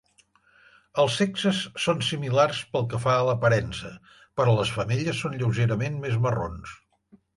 Els sexes són similars pel que fa a l'aparença però les femelles són lleugerament més marrons.